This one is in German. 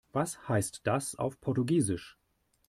Was heißt das auf Portugiesisch?